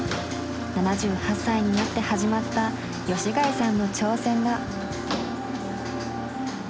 ７８歳になって始まった吉開さんの挑戦だ。